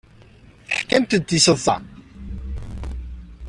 Teḥkamt-d tiseḍsa.